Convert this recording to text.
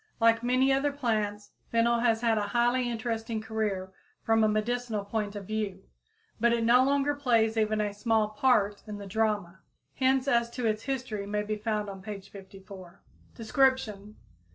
Like many other plants, fennel has had a highly interesting career from a medical point of view. But it no longer plays even a "small part" in the drama. Hints as to its history may be found on page 54. _Description.